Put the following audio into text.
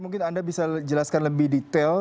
mungkin anda bisa jelaskan lebih detail